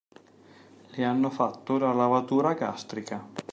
Le hanno fatto la lavatura gastrica.